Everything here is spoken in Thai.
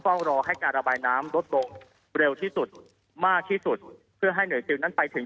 รอให้การระบายน้ำลดลงเร็วที่สุดมากที่สุดเพื่อให้หน่วยซิลนั้นไปถึง